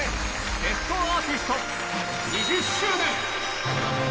『ベストアーティスト』２０周年。